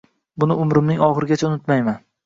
Buni umrimning oxirigacha unutmayman